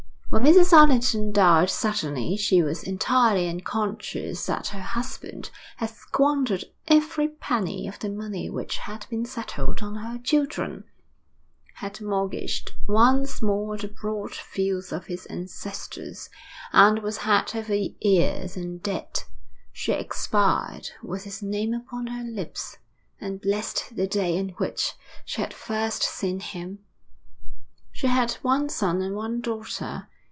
When Mrs. Allerton died suddenly she was entirely unconscious that her husband had squandered every penny of the money which had been settled on her children, had mortgaged once more the broad fields of his ancestors, and was head over ears in debt. She expired with his name upon her lips, and blessed the day on which she had first seen him. She had one son and one daughter.